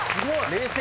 冷静。